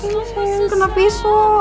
kayaknya lo pengen kena pisau